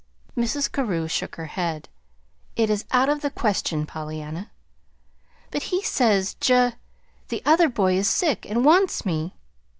Mrs. Carew shook her head. "It is out of the question, Pollyanna." "But he says Ja the other boy is sick, and wants me!"